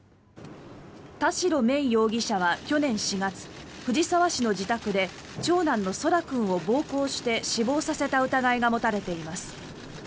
田代芽衣容疑者は去年４月藤沢市の自宅で長男の空来君を暴行して死亡させた疑いが持たれています。